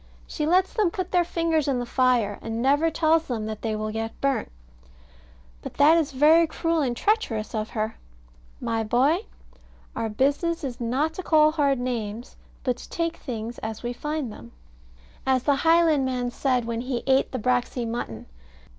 She lets them put their fingers in the fire, and never tells them that they will get burnt. But that is very cruel and treacherous of her. My boy, our business is not to call hard names, but to take things as we find them, as the Highlandman said when he ate the braxy mutton.